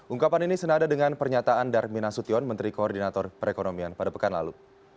ungkapan ini senada dengan pernyataan darmin nasution menteri koordinator perekonomian pada pekan lalu